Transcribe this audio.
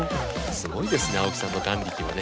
すごいですね青木さんの眼力はね。